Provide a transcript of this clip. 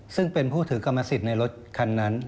ซึ่งเป็นผู้ถือกรรมสิทธิ์ในรถคันนั้น